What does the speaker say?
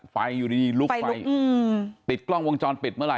ไฟอยู่ดีดีลุกไฟไปลุกอืมปิดกล้องวงจรปิดเมื่อไหร่